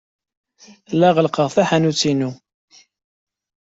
La ɣellqeɣ taḥanut-inu.